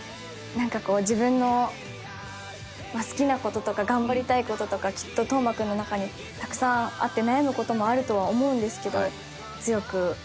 なんかこう自分の好きな事とか頑張りたい事とかきっと登眞君の中にたくさんあって悩む事もあるとは思うんですけど。